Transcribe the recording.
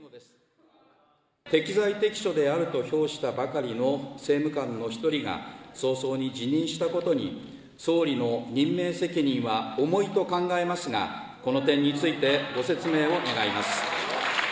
適材適所であると評したばかりの政務官の１人が、早々に辞任したことに、総理の任命責任は重いと考えますが、この点についてご説明を願います。